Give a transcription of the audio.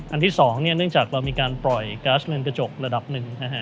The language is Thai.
อันที่สองเนื่องจากเรามีการปล่อยกาสเลนกระจกระดับหนึ่ง